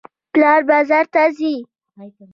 پلار بازار ته ځي.